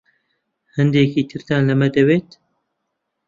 هەندێکی ترتان لەمە دەوێت؟